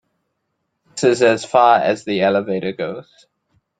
This is as far as the elevator goes.